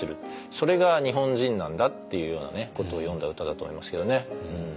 それが日本人なんだっていうようなことを詠んだ歌だと思いますけどね。